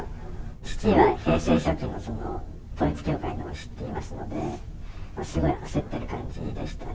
父は平成初期の統一教会を知っていますので、すごい焦っている感じでしたね。